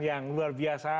yang luar biasa